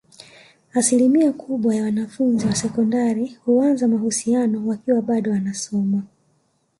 Asilimia kubwa ya wanafunzi wa sekondari huanza mahusiano wakiwa bado wanasoma